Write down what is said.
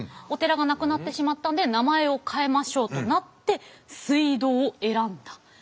お寺がなくなってしまったんで名前を変えましょうとなって水道を選んだ。